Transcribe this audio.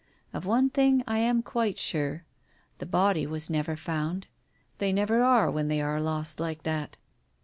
Of one thing I am quite sure; the body was never found. They never are when they are lost like that.